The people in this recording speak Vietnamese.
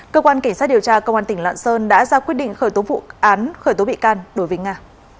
cơ quan cảnh sát điều tra công an tỉnh lạng sơn đã ra quyết định khởi tố vụ án khởi tố bị can đối với nga